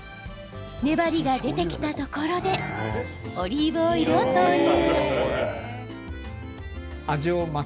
粘りが出てきたところでオリーブオイルを投入。